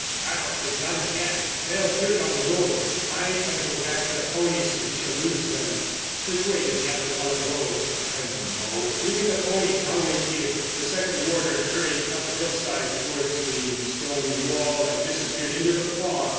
"Fire off your gun again; they'll hear it on the road. I'd better go back for the ponies, or we shall lose 'em." "Which way did the other fellow go?" "I don't know. You get the ponies—I'll wait here." The second warder hurried up the hillside towards the stone wall and disappeared into the fog.